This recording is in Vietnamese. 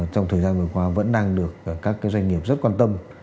trong thời gian vừa qua vẫn đang được các doanh nghiệp rất quan tâm